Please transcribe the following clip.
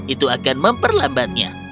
itu akan memperlambatnya